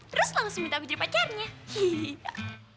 terus langsung minta aku jadi pacarnya hihihi